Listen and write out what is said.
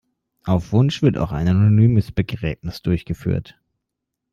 Auf Wunsch wird auch ein anonymes Begräbnis durchgeführt.